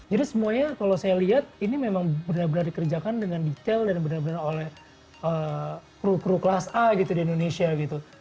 jadi semuanya kalau saya lihat ini memang benar benar dikerjakan dengan detail dan benar benar oleh kru kru kelas a gitu di indonesia gitu